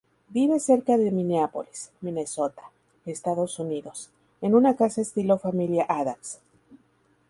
Vive cerca de Mineápolis, Minnesota, Estados Unidos, en una casa estilo "Familia Addams".